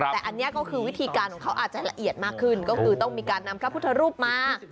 แต่อันนี้ก็คือวิธีการของเขาอาจจะละเอียดมากขึ้นก็คือต้องมีการนำพระพุทธรูปมา